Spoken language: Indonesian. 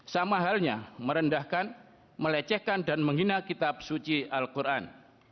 sama halnya merendahkan melecehkan dan menghina kitab suci al quran